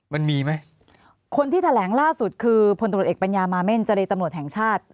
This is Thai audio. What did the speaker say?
มันมีไหมคนที่แถลงล่าสุดคือพลตรวจเอกปัญญามาเม่นเจรตำรวจแห่งชาติ